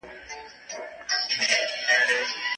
که موضوع سمه ونه ټاکل سي کار به ستونزمن سي.